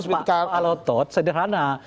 pak alotot sederhana